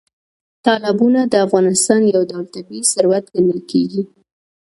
تالابونه د افغانستان یو ډول طبیعي ثروت ګڼل کېږي.